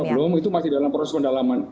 itu juga belum itu masih dalam proses pendalaman